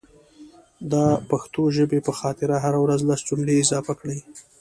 دا پښتو ژبې په خاطر هره ورځ لس جملي اضافه کړئ